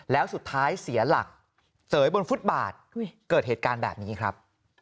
แล้วสุดท้ายเสียหลักเสยบนฟุตบาทเกิดเหตุการณ์แบบนี้ครับ